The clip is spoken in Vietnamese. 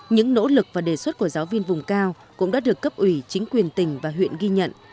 những nỗ lực và đề xuất của giáo viên vùng cao cũng đã được cấp ủy chính quyền tỉnh và huyện ghi nhận